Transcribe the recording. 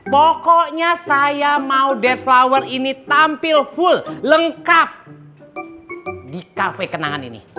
pokoknya saya mau ded flower ini tampil full lengkap di kafe kenangan ini